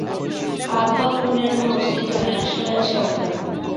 পাপ বা পুণ্যের কোন অস্তিত্ব নাই, আসলে আছে অজ্ঞান।